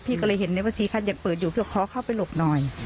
พี่ก็เลยเห็นที่วัน๔ครั้งยังเปิดอยู่เขาบอกขอเข้าไปหลบหน่อย